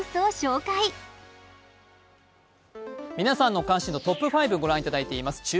皆さんの関心度トップ５をご覧いただいています。